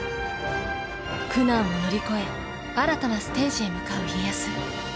苦難を乗り越え新たなステージへ向かう家康。